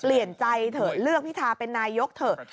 เปลี่ยนใจเถอะเลือกพิธาเป็นนายกเถอะ